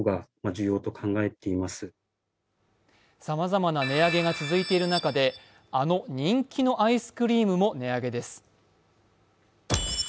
さまざまな値上げが続いている中であの人気のアイスクリームも値上げです。